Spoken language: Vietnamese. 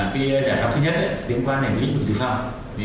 cái giải pháp thứ nhất liên quan đến lĩnh vực dưới phòng